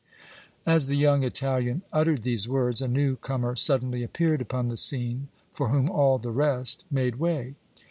As the young Italian uttered these words, a new comer suddenly appeared upon the scene for whom all the rest made way.